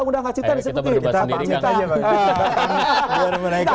kita berdua sendiri kan